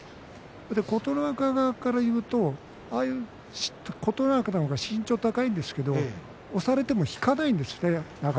琴ノ若側から言うと琴ノ若の方が身長が高いんですけれども押されても引かないんですね